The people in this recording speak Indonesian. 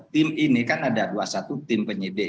tim ini kan ada dua puluh satu tim penyidik